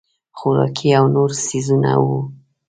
خوراکي او نور څیزونه وو.